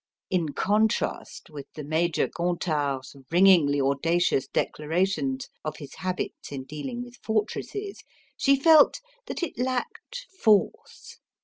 In contrast with the Major Gontard's ringingly audacious declarations of his habits in dealing with fortresses, she felt that it lacked force.